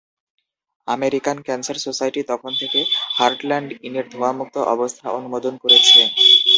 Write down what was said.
American cancer society তখন থেকে Heartland ইনের ধোঁয়ামুক্ত অবস্থা অনুমোদন করেছে।